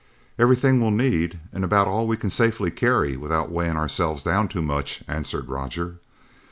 "Everything we'll need and about all we can safely carry without weighing ourselves down too much," answered Roger.